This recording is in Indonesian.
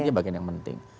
itu yang penting